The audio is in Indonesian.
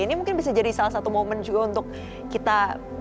ini mungkin bisa jadi salah satu momen juga untuk kita